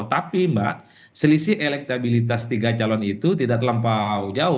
tapi mbak selisih elektabilitas tiga calon itu tidak terlampau jauh